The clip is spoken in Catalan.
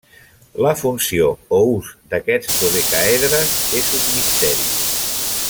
La funció o ús d'aquests dodecàedres és un misteri.